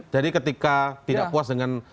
jadi ketika tidak puas dengan